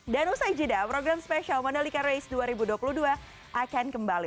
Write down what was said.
dan usai jeda program spesial mandalika race dua ribu dua puluh dua akan kembali